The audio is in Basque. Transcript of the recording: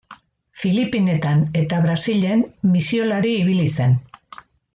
Filipinetan eta Brasilen misiolari ibili zen.